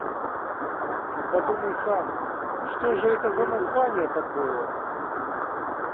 Ну подумай сам, что же это за название такое?